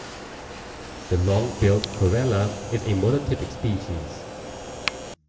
The long-billed corella is a monotypic species.